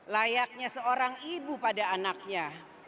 layaknya seorang ibu pada anaknya